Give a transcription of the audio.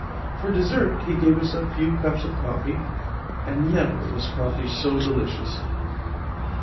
For dessert he gave us a few cups of coffee, and never was coffee so delicious.